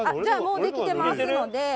ゃあもうできてますので。